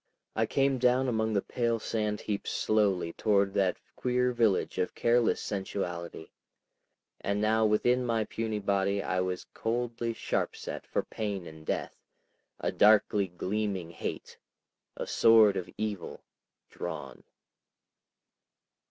I came down among the pale sand heaps slowly toward that queer village of careless sensuality, and now within my puny body I was coldly sharpset for pain and death, a darkly gleaming hate, a sword of evil, drawn.